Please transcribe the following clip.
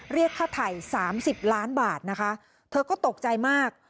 เรียกค่าไถ่สามสิบล้านบาทนะคะเธอก็ตกใจมาก